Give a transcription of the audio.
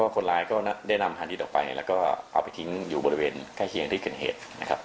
คนร้ายก็ได้นำหาดิตออกไปแล้วก็เอาไปทิ้งอยู่บริเวณใกล้เคียงที่เกิดเหตุนะครับ